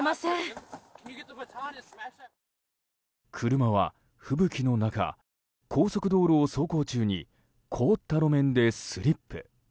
車は、吹雪の中高速道路を走行中に凍った路面でスリップ。